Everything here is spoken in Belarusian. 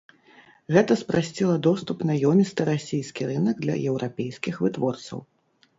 Гэта спрасціла доступ на ёмісты расійскі рынак для еўрапейскіх вытворцаў.